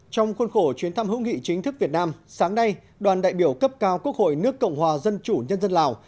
trong khuôn khổ chuyến thăm hữu nghị chính thức việt nam sáng nay đoàn đại biểu cấp cao quốc hội nước cộng hòa dân chủ nhân dân lào